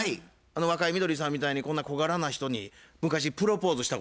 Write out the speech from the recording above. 若井みどりさんみたいにこんな小柄な人に昔プロポーズしたことある言うて。